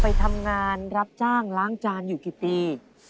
ไปทำงานรับจ้างล้างจานอยู่กี่ปี